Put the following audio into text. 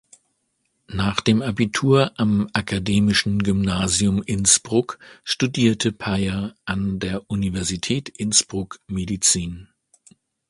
Nach dem Abitur am Akademischen Gymnasium Innsbruck studierte Payr an der Universität Innsbruck Medizin.